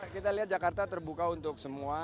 kita lihat jakarta terbuka untuk semua